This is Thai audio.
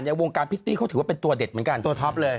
วงการพิตตี้เขาถือว่าเป็นตัวเด็ดเหมือนกันตัวท็อปเลย